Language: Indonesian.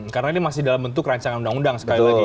karena ini masih dalam bentuk racang undang undang sekali lagi